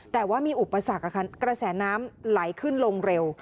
แต่ว่ามีอุปสรรคกระแสน้ำไหลขึ้นลงเร็ว